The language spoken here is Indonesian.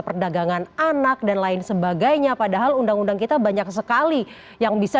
perdagangan anak dan lain sebagainya padahal undang undang kita banyak sekali yang bisa